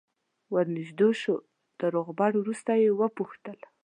ور نژدې شو تر روغبړ وروسته یې وپوښتل.